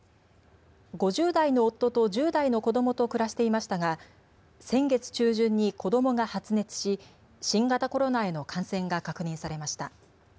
５０代の夫と１０代の子どもと暮らしていましたが先月中旬に子どもが発熱し、新型コロナへの感染が確認されました。